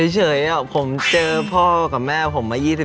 เฉยผมเจอพ่อกับแม่ผมมา๒๗ปีแล้ว